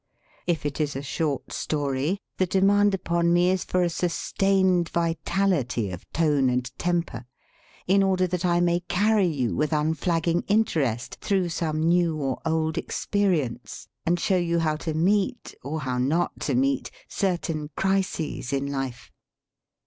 If it is a short story the de mand upon me is for a sustained vitality of tone and temper, in order that I may carry you with unflagging interest through some new or old experience, and show you how to meet or how not to meet certain crises in life.